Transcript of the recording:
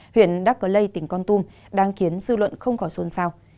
huyện đắc lây tỉnh con tum đang khiến dư luận không khỏi xuân sao